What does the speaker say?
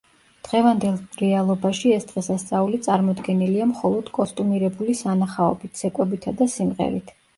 დღევანდელ რეალობაში ეს დღესასწაული წარმოდგენილია მხოლოდ კოსტუმირებული სანახაობით, ცეკვებითა და სიმღერით.